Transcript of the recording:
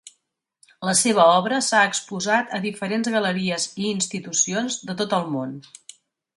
La seva obra s'ha exposat a diferents galeries i institucions de tot el món.